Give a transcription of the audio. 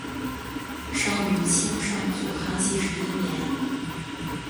生于清圣祖康熙十一年。